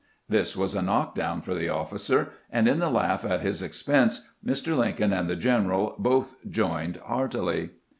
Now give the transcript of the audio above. This was a knockdown for the officer, and in the laugh at his expense Mr. Lincoln and the general both joined heartily.